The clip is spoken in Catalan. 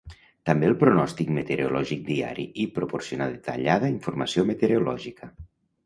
També el pronòstic meteorològic diari i proporcionar detallada informació meteorològica.